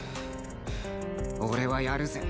俺はやるぜ。